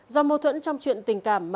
do mâu thuẫn trong chuyện tình cảm